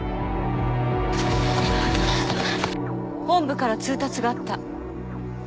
本部から通達があった。